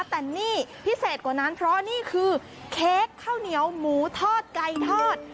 แต่นี่พิเศษกว่านั้นเพราะนี่คือเค้กข้าวเหนียวหมูทอดไก่ทอด